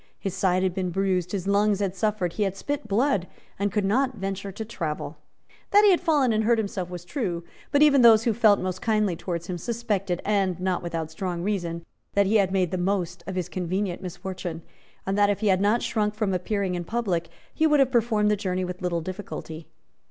His side had been bruised; his lungs had suffered; he had spit blood, and could not venture to travel. That he had fallen and hurt himself was true; but even those who felt most kindly towards him suspected, and not without strong reason, that he made the most of his convenient misfortune, and, that if he had not shrunk from appearing in public, he would have performed the journey with little difficulty.